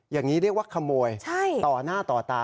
อย่างนี้เรียกว่าขโมยต่อหน้าต่อตา